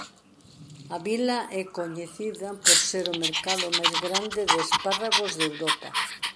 A vila é coñecida por ser o mercado máis grande de espárragos de Europa.